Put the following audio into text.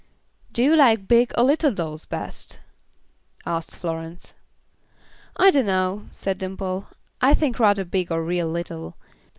"Do you like big or little dolls best?" asked Florence. "I don't know," said Dimple. "I think rather big or real little.